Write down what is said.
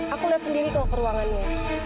aku lihat sendiri kok peruangannya